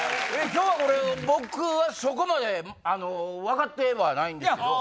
今日はこれ僕はそこまで分かってはないんですけど。